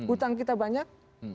utang kita banyak